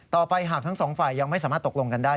ต่อไปหากทั้งสองฝ่ายยังไม่สามารถตกลงกันได้